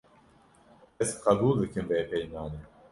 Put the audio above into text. Ez qebûl dikim vê peymanê.